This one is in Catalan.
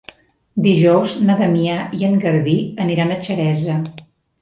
Dijous na Damià i en Garbí aniran a Xeresa.